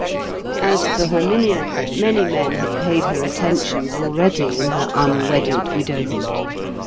As for Herminia, many men had paid her attentions already in her unwedded widowhood.